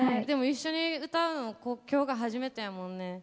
でも一緒に歌うの今日が初めてやもんね。